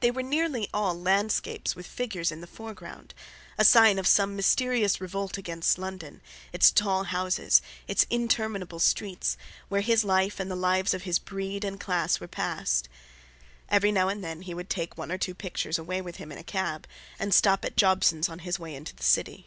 They were nearly all landscapes with figures in the foreground, a sign of some mysterious revolt against London, its tall houses, its interminable streets, where his life and the lives of his breed and class were passed. Every now and then he would take one or two pictures away with him in a cab, and stop at Jobson's on his way into the City.